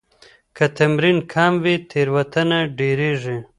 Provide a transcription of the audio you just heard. که تمرین کم وي، تېروتنه ډېريږي.